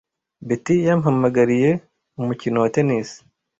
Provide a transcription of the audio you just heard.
Betty yampamagariye umukino wa tennis.